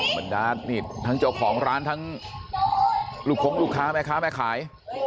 บรรดานี่ทั้งเจ้าของร้านทั้งลูกคงลูกค้าแม่ค้าแม่ขาย